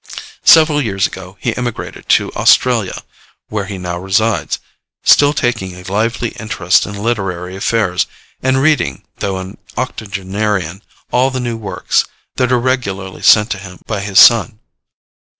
Several years ago he emigrated to Australia, where he now resides, still taking a lively interest in literary affairs, and reading, though an octogenarian, all the new works, that are regularly sent to him by his son.